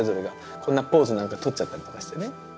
こんなポーズなんか取っちゃったりとかしてね。